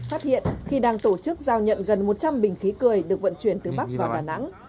phát hiện khi đang tổ chức giao nhận gần một trăm linh bình khí cười được vận chuyển từ bắc vào đà nẵng